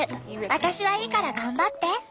私はいいから頑張って。